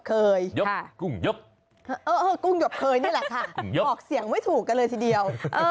ยกกุ้งยกกุ้งหยกเคยนี่แหละค่ะออกเสียงไม่ถูกกันเลยทีเดียว